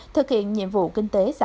thực hiện nhiệm vụ kinh tế xã hội năm năm